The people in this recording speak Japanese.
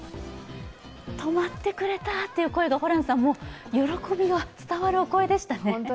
止まってくれたっていう声が喜びが伝わるお声でしたよね。